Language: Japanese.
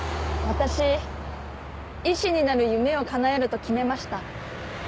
私医師になる夢をかなえると決めました。